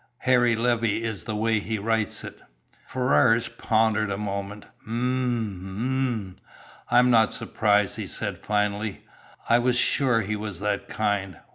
Harry Levey is the way he writes it." Ferrars pondered a moment "M m I'm not surprised," he said finally. "I was sure he was that kind.